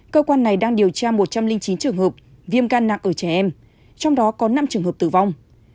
cơ quan này đang điều tra một trăm linh chín trường hợp viêm gan nặng ở trẻ em trong đó có năm trường hợp tử vong